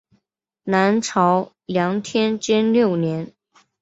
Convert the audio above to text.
南朝梁天监六年。